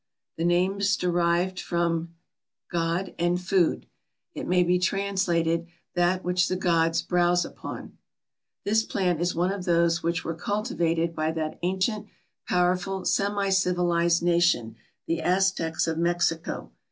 The name is derived from [Greek: theos], god, and [Greek: brôma], food. It may be translated, "That which the gods browse upon." This plant is one of those which were cultivated by that ancient, powerful, semi civilized nation, the Aztecs of Mexico.